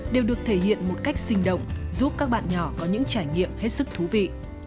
đều được thể hiện một cách sinh động giúp các bạn nhỏ có những trải nghiệm hết sức thú vị